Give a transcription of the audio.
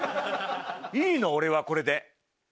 いいの俺はこれで。